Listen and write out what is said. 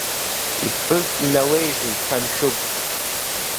Иԥҳәыс иналеиҳәеит Ҭамшьыгә.